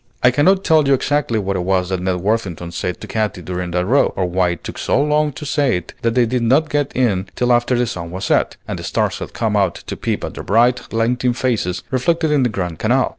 I cannot tell you exactly what it was that Ned Worthington said to Katy during that row, or why it took so long to say it that they did not get in till after the sun was set, and the stars had come out to peep at their bright, glinting faces, reflected in the Grand Canal.